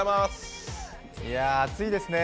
いや、暑いですね。